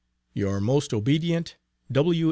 Your most obedient, W.